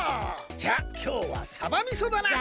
じゃあきょうはさばみそだな！